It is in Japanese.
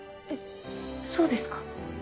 えっそうですか？